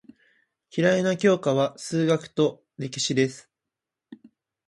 嫌いな教科は数学と歴史です。